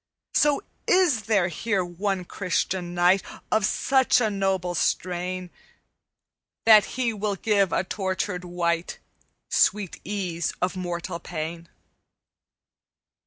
"'So is there here one Christian knight Of such a noble strain That he will give a tortured wight Sweet ease of mortal pain?'